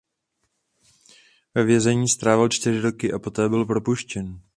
Ve vězení strávil čtyři roky a poté byl propuštěn.